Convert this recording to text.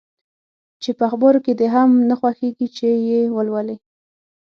چي په اخبارو کي دي هم نه خوښیږي چي یې ولولې؟